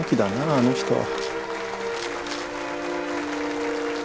あの人は。